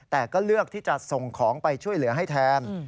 แต่ก็เลือกที่จะส่งของไปช่วยเหลือให้แทน